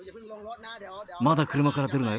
まだ車から出るなよ。